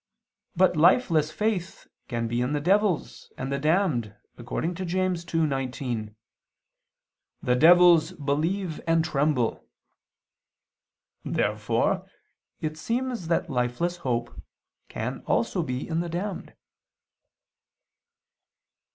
But lifeless faith can be in the devils and the damned, according to James 2:19: "The devils ... believe and tremble." Therefore it seems that lifeless hope also can be in the damned.